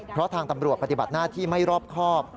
เพราะทางตำรวจปฏิบัติหน้าที่ไม่รอบครอบ